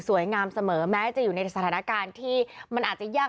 งามเสมอแม้จะอยู่ในสถานการณ์ที่มันอาจจะยาก